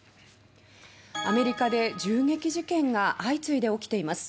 アメリカで銃撃事件が相次いで起きています。